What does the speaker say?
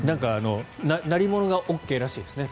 鳴り物がＯＫらしいですね